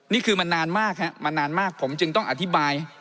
นี่คือมันนานมากมันนานมากผมจึงต้องอธิบาย